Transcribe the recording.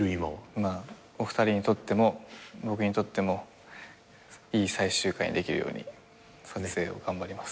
お二人にとっても僕にとってもいい最終回にできるように撮影を頑張ります。